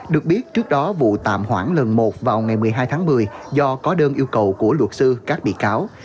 được biết trước đó vụ tạm hoãn lần một vào ngày một mươi hai tháng một mươi do có đơn yêu cầu của luật sư các bị cáo